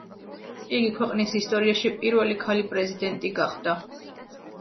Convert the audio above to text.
იგი ქვეყნის ისტორიაში პირველი ქალი-პრეზიდენტი გახდა.